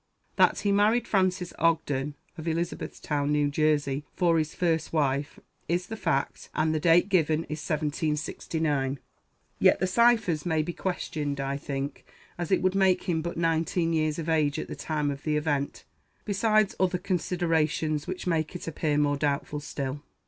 That he married Frances Ogden, of Elizabeth town, New Jersey, for his first wife, is the fact, and the date given is 1769. Yet the ciphers may be questioned, I think, as it would make him but nineteen years of age at the time of the event, besides other considerations which make it appear more doubtful still.